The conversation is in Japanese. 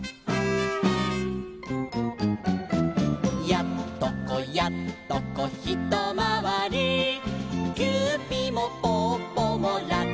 「やっとこやっとこひとまわり」「キューピもぽっぽもラッタッタ」